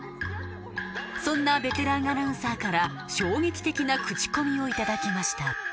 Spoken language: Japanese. そんなベテランアナウンサーから衝撃的なクチコミをいただきました